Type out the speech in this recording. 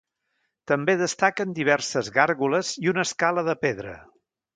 També destaquen diverses gàrgoles i una escala de pedra.